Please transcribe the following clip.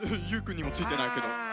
ゆうくんにもついてないけど。